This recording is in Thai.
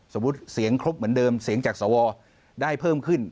สมมุติเสียงครบเหมือนเดิมเสียงจากสวได้เพิ่มขึ้น